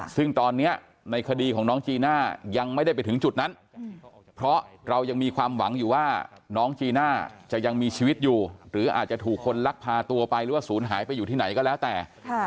ซึ่งตอนนี้ในคดีของน้องจีน่ายังไม่ได้ไปถึงจุดนั้นเพราะเรายังมีความหวังอยู่ว่าน้องจีน่าจะยังมีชีวิตอยู่หรืออาจจะถูกคนลักพาตัวไปหรือว่าศูนย์หายไปอยู่ที่ไหนก็แล้วแต่